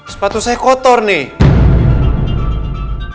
sepatu saya kotor nih